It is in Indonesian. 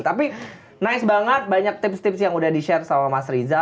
tapi nice banget banyak tips tips yang udah di share sama mas riza